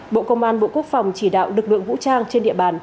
bộ công an bộ quốc phòng chỉ đạo lực lượng vũ trang trên địa bàn